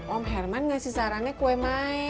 om herman ngasih sarannya kue may